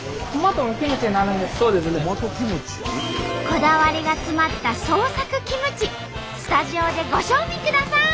こだわりが詰まった創作キムチスタジオでご賞味ください！